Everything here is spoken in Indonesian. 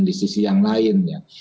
di sisi yang lainnya